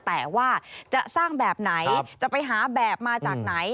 แต่ว่าจะสร้างแบบไหนจะไปหาแบบมาจากไหน